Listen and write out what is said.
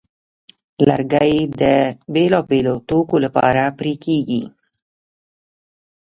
لرګی د بېلابېلو توکو لپاره پرې کېږي.